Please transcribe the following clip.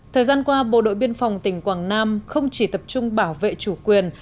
thời gian qua bộ đội biên phòng tỉnh quảng nam không chỉ tập trung bảo vệ chủ quyền